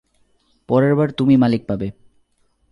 পরের বার তুমি মালিক পাবে।